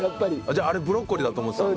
じゃああれブロッコリーだと思ってたんだ。